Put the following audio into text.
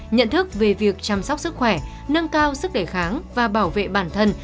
nhận thức về việc chăm sóc sức khỏe nâng cao sức đề kháng và bảo vệ bản thân